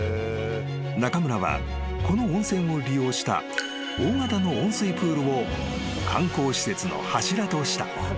［中村はこの温泉を利用した大型の温水プールを観光施設の柱とした］